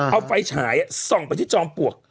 เอาไฟฉายส่องไปที่จอมปลวก